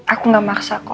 aku gak maksa kok